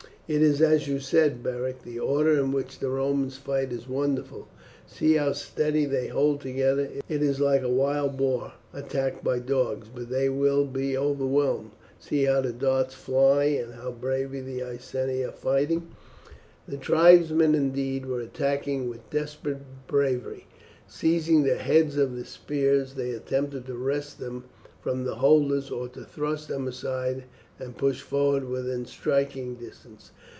"It is as you said, Beric; the order in which the Romans fight is wonderful. See how steadily they hold together, it is like a wild boar attacked by dogs; but they will be overwhelmed, see how the darts fly and how bravely the Iceni are fighting." The tribesmen, indeed, were attacking with desperate bravery. Seizing the heads of the spears they attempted to wrest them from their holders, or to thrust them aside and push forward within striking distance.